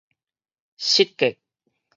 失格